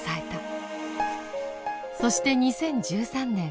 そして２０１３年